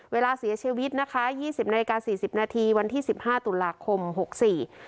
เวลาเสียชีวิตนะคะยี่สิบนาฬิกาสี่สิบนาทีวันที่สิบห้าตุลาคมหกสี่